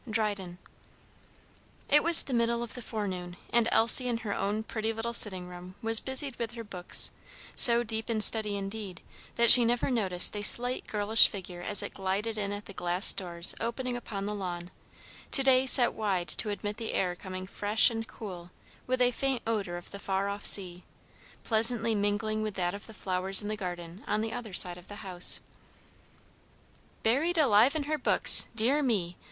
DRYDEN. It was the middle of the forenoon, and Elsie in her own pretty little sitting room was busied with her books; so deep in study indeed, that she never noticed a slight girlish figure as it glided in at the glass doors opening upon the lawn, to day set wide to admit the air coming fresh and cool with a faint odor of the far off sea, pleasantly mingling with that of the flowers in the garden, on the other side of the house. "Buried alive in her books! Dear me!